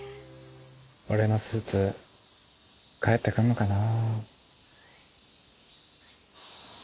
俺のスーツ返ってくんのかな。